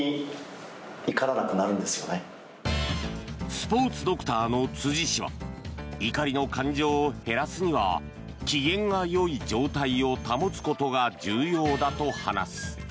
スポーツドクターの辻氏は怒りの感情を減らすには機嫌がよい状態を保つことが重要だと話す。